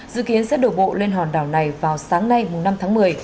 dự kiến sẽ đổ bộ lên hòn đảo này vào sáng nay năm tháng một mươi